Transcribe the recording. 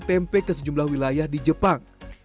tempe ke sejumlah wilayah di jepang